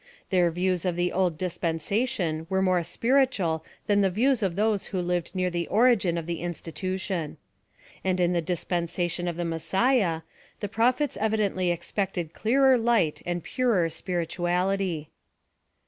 Their views of the old dispensation were more spiritual than the views of those who lived near the origin of the institution. And in the dispensation of the Messiah, the prophets evidently expected clearer light and purer spirituality.